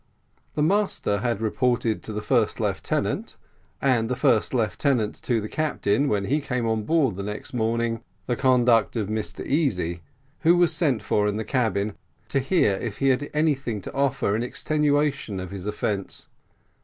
The master had reported to the first lieutenant, and the first lieutenant to the captain, when he came on board the next morning, the conduct of Mr Easy, who was sent for in the cabin, to hear if he had any thing to offer in extenuation of his offence.